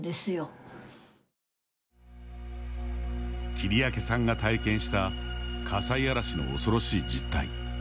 切明さんが体験した火災嵐の怖ろしい実態。